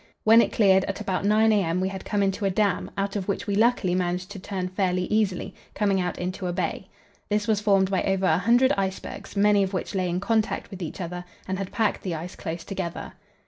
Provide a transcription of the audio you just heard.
When it cleared, at about 9 a.m., we had come into a dam, out of which we luckily managed to turn fairly easily, coming out into a bay. This was formed by over a hundred icebergs, many of which lay in contact with each other and had packed the ice close together.